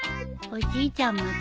おじいちゃん？